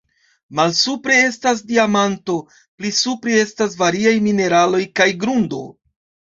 Malsupre estas diamanto, pli supre estas variaj mineraloj kaj grundo.